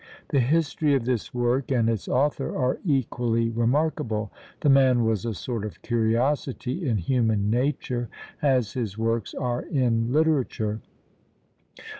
The history of this work and its author are equally remarkable. The man was a sort of curiosity in human nature, as his works are in literature.